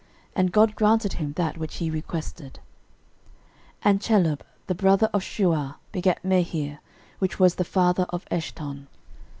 And God granted him that which he requested. 13:004:011 And Chelub the brother of Shuah begat Mehir, which was the father of Eshton.